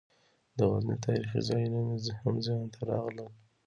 د غزني تاریخي ځایونه مې هم ذهن ته راغلل.